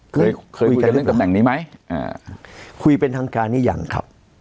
เคยเคยคุยกันเรื่องตำแหน่งนี้ไหมอ่าคุยเป็นทางการหรือยังครับ